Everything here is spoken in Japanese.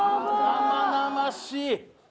生々しい。